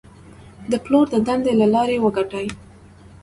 د پلور د دندې له لارې وګټئ.